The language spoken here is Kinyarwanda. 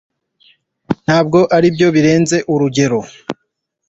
Ntabwo aribyo birenze urugero,